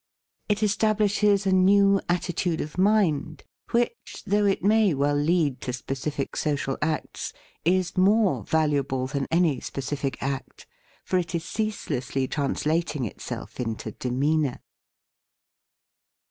It establishes a new atti tude of mind, which, though it may well lead to specific social acts, is more valuable than any specific act, for it is ceaselessly translating itself into de meanour.